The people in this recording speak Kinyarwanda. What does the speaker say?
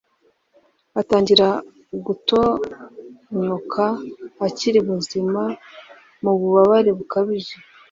atangira gutonyoka akiri muzima mu bubabare bukabije